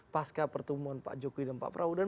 pasca pertemuan pak jokowi dan pak praudan